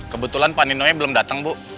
kebetulan pak nino nya belum datang bu